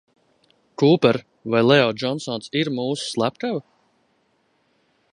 Kūper, vai Leo Džonsons ir mūsu slepkava?